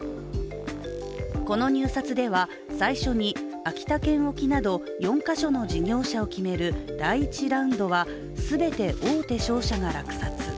この入札では、最初に秋田県沖など４か所の事業者を決める第１ラウンドは全て大手商社が落札。